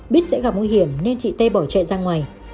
biết sẽ gặp nguy hiểm nên chị tê bỏ chạy ra ngoài